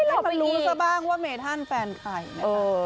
ให้มันรู้แล้วเช่าบ้างว่าเมธันแฟนใคร